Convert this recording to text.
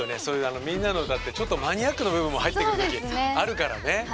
そういう「みんなのうた」ってちょっとマニアックな部分も入ってくるときあるからね。